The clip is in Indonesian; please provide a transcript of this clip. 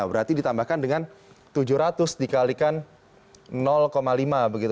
berarti ditambahkan dengan rp tujuh ratus dikalikan rp lima